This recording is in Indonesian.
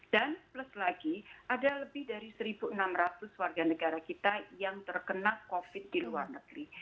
dan plus lagi ada lebih dari satu enam ratus warga negara kita yang terkena covid di luar negeri